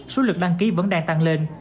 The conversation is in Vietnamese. số lượt đăng ký vẫn đang tăng lên